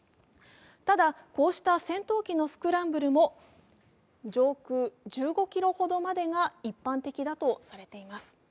ただ、こうした戦闘機のスクランブルも上空１５ｋｍほどまでが一般的だとされています。